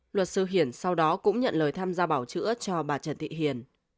luật sư hiển sau đó cũng nhận lời tham gia bảo chữa cho bà trần thị hiền